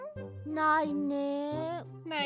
ないねえ。